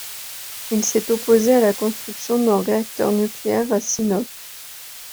Il s'est opposé à la construction d'un réacteur nucléaire à Sinop.